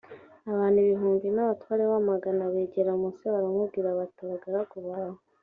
abantu ibihumbi n abatware b amagana d begera mose baramubwira bati abagaragu bawe